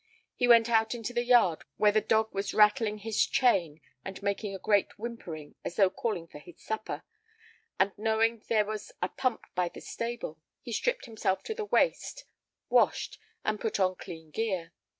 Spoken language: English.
He went out into the yard where the dog was rattling his chain and making a great whimpering, as though calling for his supper, and, knowing that there was a pump by the stable, he stripped himself to the waist, washed, and put on clean gear.